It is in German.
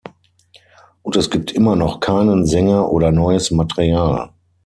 Und es gibt immer noch keinen Sänger oder neues Material.